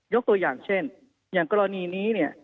ยกตัวอย่างเช่นอย่างกรณีนี้